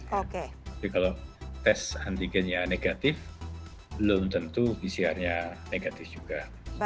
tapi kalau tes antigennya negatif belum tentu pcr nya negatif juga